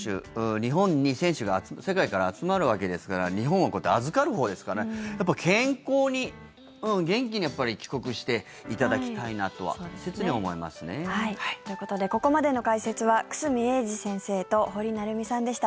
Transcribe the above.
日本に選手が世界から集まるわけですから日本は預かるほうですから健康に、元気に帰国していただきたいなとは切に思いますね。ということでここまでの解説は久住英二先生と堀成美さんでした。